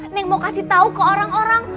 neng mau kasih tahu ke orang orang